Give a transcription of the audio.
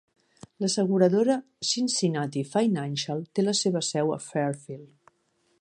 L'asseguradora Cincinnati Financial té la seva seu a Fairfield.